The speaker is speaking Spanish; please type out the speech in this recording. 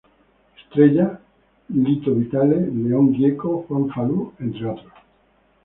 Estrella, Lito Vitale, León Gieco, Juan Falú, entre otros.